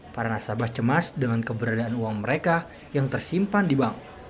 para nasabah cemas dengan keberadaan uang mereka yang tersimpan di bank